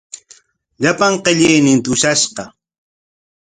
Llapan qillayninta ushashqa.